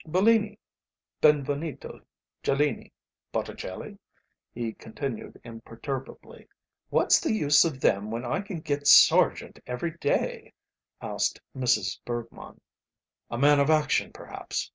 "Bellini, Benvenuto Cellini, Botticelli?" he continued imperturbably. "What's the use of them when I can get Sargent every day?" asked Mrs. Bergmann. "A man of action, perhaps?